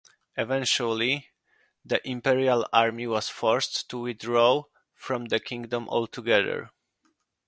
Eventually the imperial army was forced to withdraw from the kingdom altogether.